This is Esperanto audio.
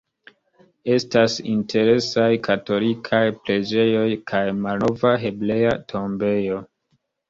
Estas interesaj katolikaj preĝejoj kaj malnova Hebrea tombejo.